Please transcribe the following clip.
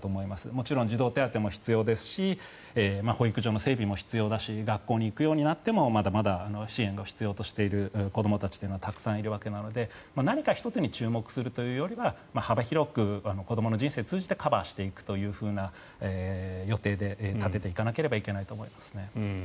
もちろん児童手当も必要だし保育所の整備も必要だし学校に行くようになってもまだまだ支援を必要としている子どもたちはたくさんいるわけなので何か１つに注目するというよりは幅広く子どもの人生を通じてカバーしていくというふうな予定で立てていかなければいけないと思いますね。